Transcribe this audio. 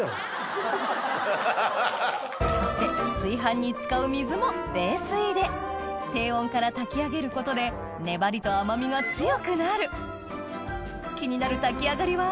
そして炊飯に使う水も冷水で低温から炊き上げることで粘りと甘みが強くなる気になる炊き上がりは？